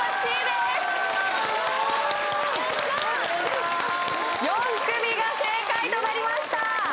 すごーい４組が正解となりました